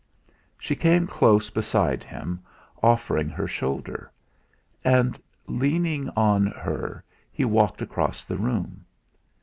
She came close beside him, offering her shoulder. And leaning on her he walked across the room.